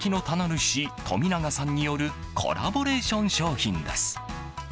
主富永さんによるコラボレーション商品です。